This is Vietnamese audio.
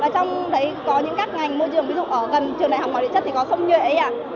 trong đấy có những các ngành môi trường ví dụ ở gần trường đại học mọi địa chất có sông nhuệ